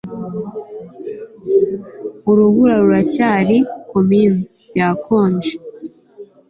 urubura ruracyari comin '! byakonje